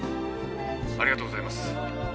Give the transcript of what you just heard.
ありがとうございます。